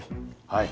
はい。